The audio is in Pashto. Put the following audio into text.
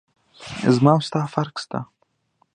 زما او ستا فرق سته.